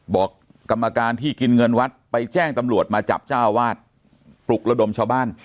กรรมการที่กินเงินวัดไปแจ้งตำรวจมาจับเจ้าวาดปลุกระดมชาวบ้าน